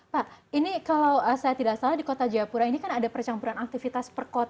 pak ini kalau saya tidak salah di kota jayapura ini kan ada percampuran aktivitas perkotaan